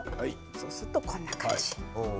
そうするとこんな感じ。